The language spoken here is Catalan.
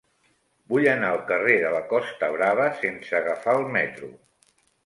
Vull anar al carrer de la Costa Brava sense agafar el metro.